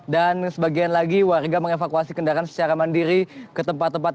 dan sebagian lagi warga mengevakuasi kendaraan secara mandiri ke tempat tempat